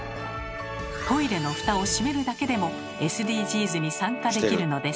トイレのフタを閉めるだけでもＳＤＧｓに参加できるのです。